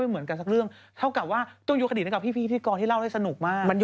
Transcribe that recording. ที่อื่นเขาก็พูดเหมือนกัน